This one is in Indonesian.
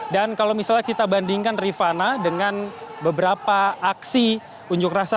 dan kalau misalnya kita bandingkan rifana dengan beberapa aksi unjuk rasa